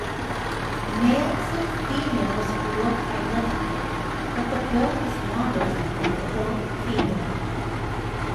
Males and females look identical, but the bill is longest in the adult female.